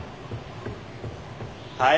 はい？